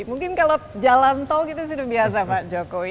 mungkin kalau jalan tol itu sudah biasa pak jokowi